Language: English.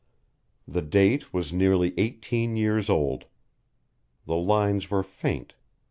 The date was nearly eighteen years old. The lines were faint.